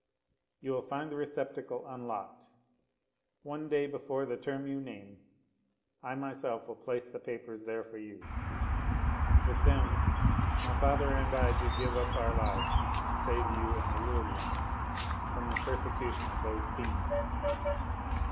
You will find the receptacle unlocked. One day before the term you name I myself will place the papers there for you. With them, my father and I do give up our lives to save you and the little ones from the persecution of those fiends.